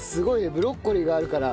ブロッコリーがあるから。